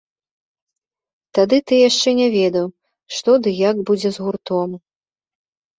Тады ты яшчэ не ведаў, што ды як будзе з гуртом.